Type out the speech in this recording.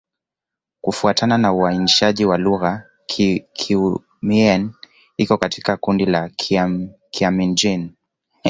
Kufuatana na uainishaji wa lugha, Kiiu-Mien iko katika kundi la Kimian-Jin.